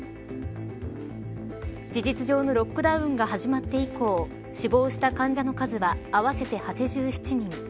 事実上のロックダウンが始まって以降死亡した患者の数は合わせて８７人。